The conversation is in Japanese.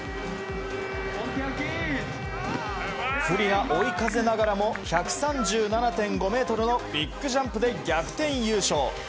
不利な追い風ながらも１３７．５ｍのビッグジャンプで逆転優勝。